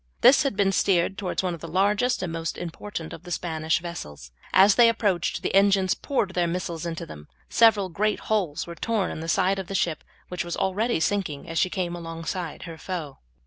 This had been steered towards one of the largest and most important of the Spanish vessels. As they approached, the engines poured their missiles into them. Several great holes were torn in the sides of the ship, which was already sinking as she came alongside her foe.